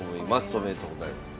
おめでとうございます。